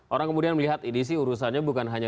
orang kemudian melihat ini sih urusannya bukan hanya